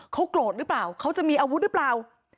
เขาโกรธหรือเปล่าเขาจะมีอาวุธหรือเปล่า